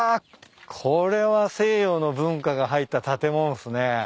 これは西洋の文化が入った建物っすね。